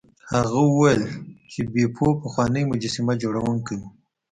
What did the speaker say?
هغه وویل چې بیپو پخوانی مجسمه جوړونکی و.